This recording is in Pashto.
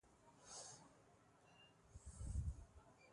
ټول ملت په ږیره کې راګیر شو او کیبلونه د سزا وسیله شول.